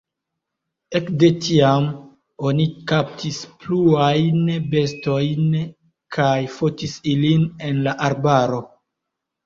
Ekde tiam oni kaptis pluajn bestojn kaj fotis ilin en la arbaro.